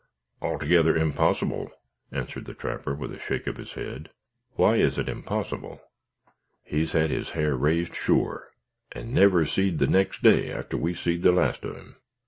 "Altogether onpossible," answered the trapper, with a shake of his head. "Why is it impossible?" "He's had his ha'r raised sure, and never seed the next day arter we seed the last on him."